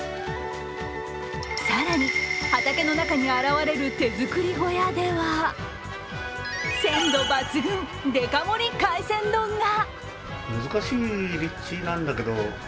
更に畑の中に現れる手作り小屋では鮮度抜群、デカ盛り海鮮丼が。